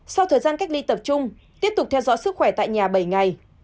sau thời gian cách ly tập trung tiếp tục theo dõi sức khỏe tại nhà bảy ngày